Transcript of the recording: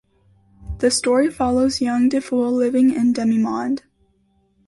The story follows young DiFool living in demimonde.